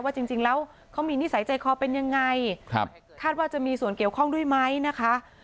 จริงแล้วเขามีนิสัยใจคอเป็นยังไงครับคาดว่าจะมีส่วนเกี่ยวข้องด้วยไหมนะคะ